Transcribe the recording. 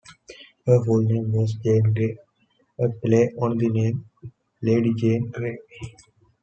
Her full name was Jane Gay, a play on the name Lady Jane Grey.